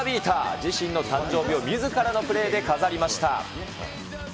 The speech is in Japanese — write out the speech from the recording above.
自身の誕生日をみずからのプレーで飾りました。